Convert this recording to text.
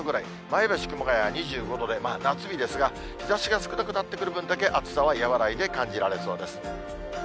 前橋、熊谷は２５度で夏日ですが、日ざしが少なくなってくる分だけ、暑さは和らいで感じられそうです。